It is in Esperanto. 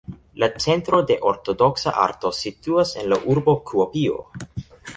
La Centro de Ortodoksa Arto situas en la urbo Kuopio.